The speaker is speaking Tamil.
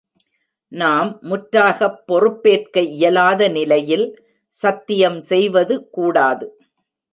நாம் முற்றாகப் பொறுப்பேற்க இயலாத நிலையில், சத்தியம் செய்வது கூடாது.